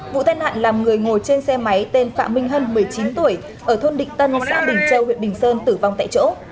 vụ tai nạn làm người ngồi trên xe máy tên phạm minh hân một mươi chín tuổi ở thôn định tân xã bình châu huyện bình sơn tử vong tại chỗ